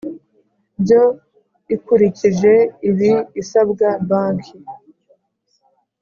Byo ikurikije ibi isabwa banki